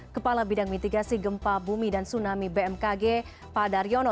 kepala bidang mitigasi gempa bumi dan tsunami bmkg pak daryono